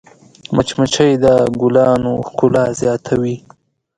مچمچۍ د ګلونو ښکلا زیاتوي